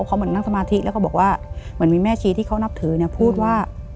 เขาเหมือนนั่งสมาธิแล้วก็บอกว่าเหมือนมีแม่ชีที่เขานับถือเนี่ยพูดว่า